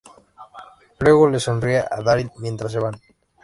Luego le sonríe a Daryl mientras se van.